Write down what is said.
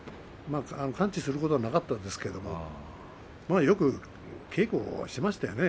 完治することはなかったですけれどよく稽古はしましたね。